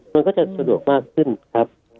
มันก็จะสะดวกมากขึ้นครับ